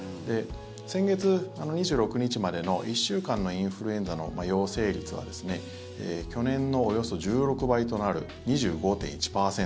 先月２６日までの１週間のインフルエンザの陽性率は去年のおよそ１６倍となる２５．１％。